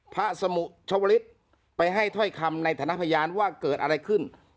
สมุชวลิศไปให้ถ้อยคำในฐานะพยานว่าเกิดอะไรขึ้น